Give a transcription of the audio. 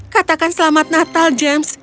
katakan selamat natal james